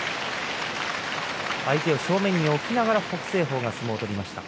相手を正面に置きながら北青鵬が相撲を取りました。